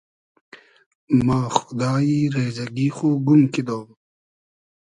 ما خودایی ریزئگی خو گوم کیدۉم